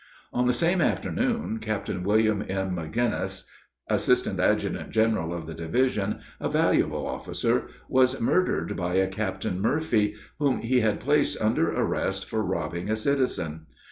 On the same afternoon Captain William M. Magenis, assistant adjutant general of the division, a valuable officer, was murdered by a Captain Murphy, whom he had placed under arrest for robbing a citizen.